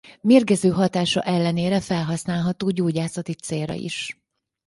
Mérgező hatása ellenére felhasználható gyógyászati célra is.